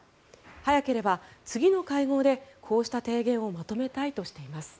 早ければ次の会合でこうした提言をまとめたいとしています。